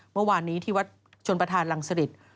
เมื่อวานนี้ที่วัดชนประธานรังสริต